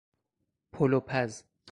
پلو پز